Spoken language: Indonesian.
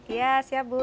iya siap bu